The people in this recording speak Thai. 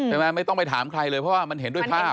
ไม่ต้องไปถามใครเลยเพราะว่ามันเห็นด้วยภาพ